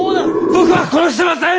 僕は殺してません！